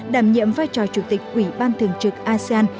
đảm nhiệm vai trò chủ tịch ủy ban thường trực asean